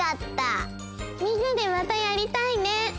みんなでまたやりたいね！